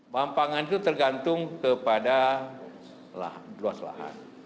bahan pangan itu tergantung kepada luas lahan